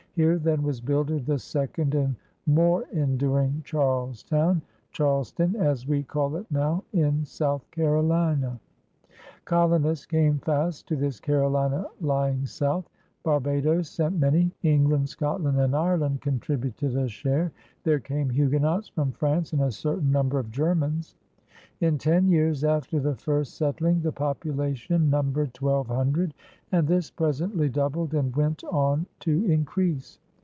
Here then was builded the second and more enduring Charles Town — Charleston, as we call it now, in South Carolina. Colonists came fast to this Carolina lying south. Barbados sent many; England, Scotland, and Ire land contributed a share; there came Huguenots from France, and a certain number of Germans. THE CAROLINAS «07 In ten years after the first settling the popula tion numbered twelve hundred, and this presently doubled and went on to increase.